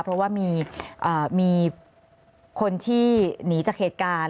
เพราะว่ามีคนที่หนีจากเหตุการณ์